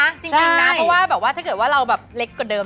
จริงนะเพราะว่าแบบว่าถ้าเกิดว่าเราแบบเล็กกว่าเดิม